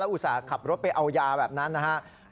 อุตส่าห์ขับรถไปเอายาแบบนั้นนะครับ